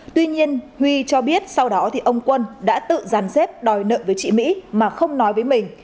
tuy nhiên huy cho biết sau đó thì ông quân đã tự giàn xếp đòi nợ với chị mỹ mà không nói với mình